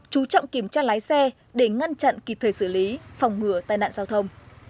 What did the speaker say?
chú trọng kiểm tra lái xe để ngăn chặn kịp thời xử lý phòng ngừa tai nạn giao thông